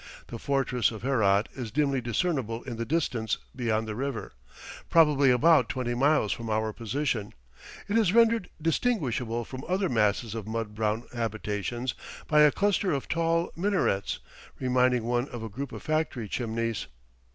The fortress of Herat is dimly discernible in the distance beyond the river, probably about twenty miles from our position; it is rendered distinguishable from other masses of mud brown habitations by a cluster of tall minarets, reminding one of a group of factory chimneys.